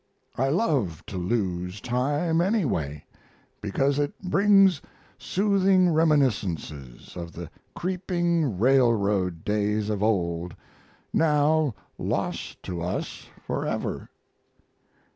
I love to lose time anyway because it brings soothing reminiscences of the creeping railroad days of old, now lost to us forever.